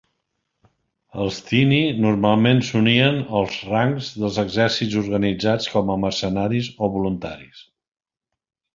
Els Thyni normalment s'unien als rancs dels exèrcits organitzats com a mercenaris o voluntaris.